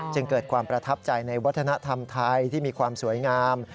จึงเกิดความประทับใจในวัฒนธรรมไทยที่มีความสวยงาม